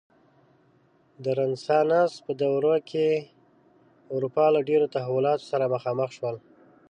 د رنسانس په دوره کې اروپا له ډېرو تحولاتو سره مخامخ شول.